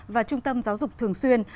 và trung tâm giáo dục thường xuyên